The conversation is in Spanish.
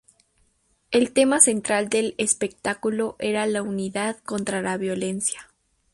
El tema central del espectáculo era la unidad contra la violencia.